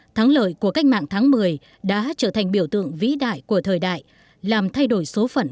thắng lợi của cách mạng tháng một mươi đã trở thành biểu tượng vĩ đại của thời đại làm thay đổi số phận